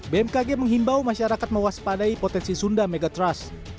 bmkg menghimbau masyarakat mewaspadai potensi sunda megatrust